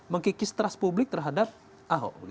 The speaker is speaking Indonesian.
mengkikis trust publik terhadap ahok